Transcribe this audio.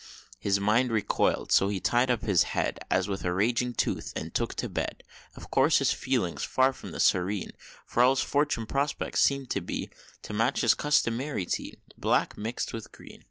His mind recoil'd so he tied up his head, As with a raging tooth, and took to bed; Of course with feelings far from the serene, For all his future prospects seemed to be, To match his customary tea, Black, mixt with green.